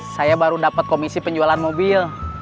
saya baru dapat komisi penjualan mobil